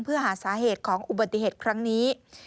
เพื่อหาสาเหตุของอุบัติเหตุครั้งนี้